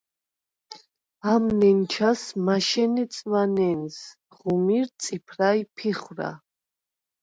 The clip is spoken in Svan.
ამ ნენჩას მაშენე წვა ნენზ, ღუმირ, წიფრა ი ფიხვრა.